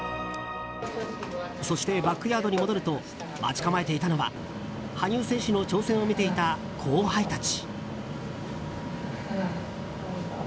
そして、バックヤードに戻ると待ち構えていたのは羽生選手の挑戦を見ていた後輩たち。